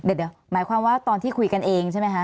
เดี๋ยวหมายความว่าตอนที่คุยกันเองใช่ไหมคะ